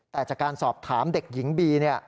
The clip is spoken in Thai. แต่จากการสอบถามเด็กหญิงบี